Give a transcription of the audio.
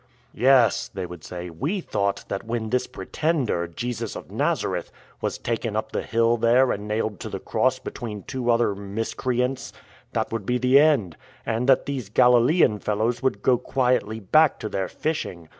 " Yes," they would say, " we thought that, when this Pretender, Jesus of Nazareth, was taken up the hill there and nailed to the cross between two other miscreants, that would be the end; and that these Galilean fellows would go quietly back to their fishing.